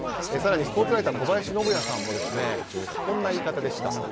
更にスポーツライター小林信也さんもこんな言い方でした。